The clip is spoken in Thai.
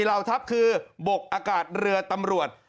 เหล่าทัพคือบกอากาศเรือตำรวจ